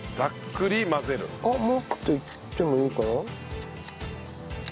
あっもっといってもいいかな？